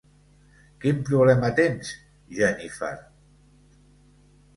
Quin problema tens, Jennifer?